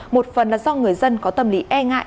một phần là do người dân có tâm lý e ngại